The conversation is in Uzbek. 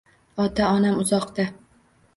Ota-onam uzoqda